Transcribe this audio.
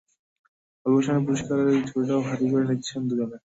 অল্প সময়ে পুরস্কারের ঝুলিটাও ভারী করে নিচ্ছেন দুজনে।